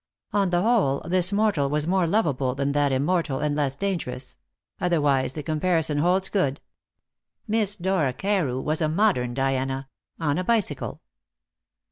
On the whole, this mortal was more lovable than that immortal, and less dangerous; otherwise the comparison holds good. Miss Dora Carew was a modern Diana on a bicycle.